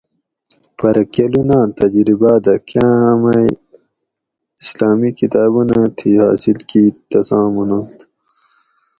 پرہ کلوناۤ تجرباۤ دہ کاۤں مئی اسلامی کتابونہ تھی حاصل کیت تساں مننت